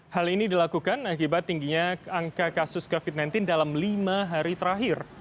hal ini dilakukan akibat tingginya angka kasus covid sembilan belas dalam lima hari terakhir